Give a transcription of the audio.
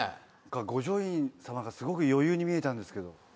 五条院さまがすごく余裕に見えたんですけど。